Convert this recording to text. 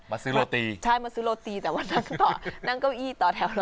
ซื้อโรตีใช่มาซื้อโรตีแต่วันนั้นต่อนั่งเก้าอี้ต่อแถวรอ